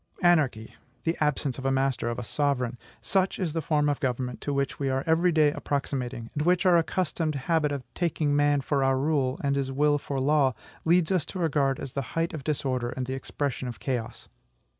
ANARCHY, the absence of a master, of a sovereign, such is the form of government to which we are every day approximating, and which our accustomed habit of taking man for our rule, and his will for law, leads us to regard as the height of disorder and the expression of chaos.